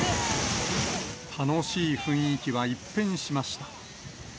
楽しい雰囲気は一変しました。